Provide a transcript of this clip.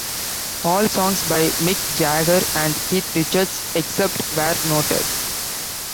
All songs by Mick Jagger and Keith Richards, except where noted.